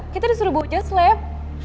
kita disuruh bawa jus lab